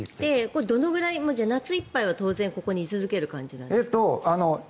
これはどれくらい夏いっぱいは当然ここに居続ける感じですか？